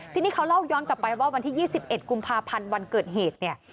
ทีนี้เขาเล่าย้อนกลับไปว่าวันที่๒๑กุมภาพันธ์วันเกิดเหตุเนี่ย